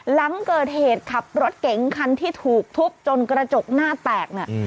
หลังเกิดเหตุขับรถเก๋งคันที่ถูกทุบจนกระจกหน้าแตกเนี่ย